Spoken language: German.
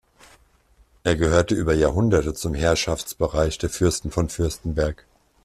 Er gehörte über Jahrhunderte zum Herrschaftsbereich der Fürsten von Fürstenberg.